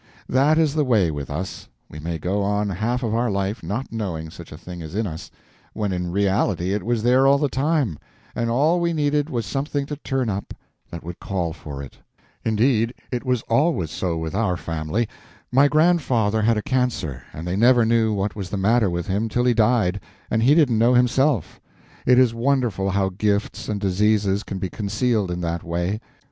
That is the way with us; we may go on half of our life not knowing such a thing is in us, when in reality it was there all the time, and all we needed was something to turn up that would call for it. Indeed, it was always so without family. My grandfather had a cancer, and they never knew what was the matter with him till he died, and he didn't know himself. It is wonderful how gifts and diseases can be concealed in that way.